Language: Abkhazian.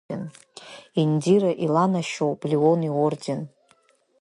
Индира иланашьоуп Леон иорден.